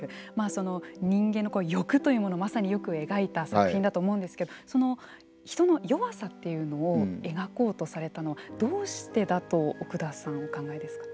その人間の欲というものをまさによく描いた作品だと思うんですけれども人の弱さというのを描こうとされたのどうしてだと奥田さんはお考えですか。